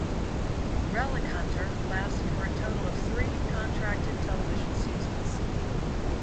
"Relic Hunter" lasted for a total of three contracted television seasons.